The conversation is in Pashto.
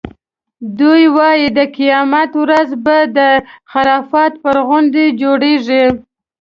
دوی وایي د قیامت ورځ به د عرفات پر غونډۍ جوړېږي.